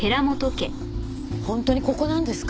本当にここなんですか？